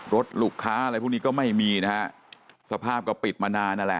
รถลูกค้าอะไรพวกนี้ก็ไม่มีนะฮะสภาพก็ปิดมานานนั่นแหละ